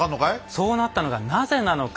そうなったのがなぜなのか。